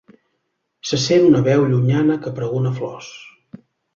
Se sent una veu llunyana que pregona flors.